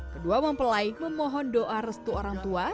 kedua mempelai memohon doa restu orang tua